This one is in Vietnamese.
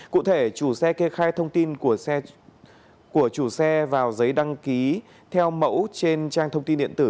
cụ thể chủ xe kê khai thông tin của chủ xe vào giấy đăng ký theo mẫu trên trang thông tin điện tử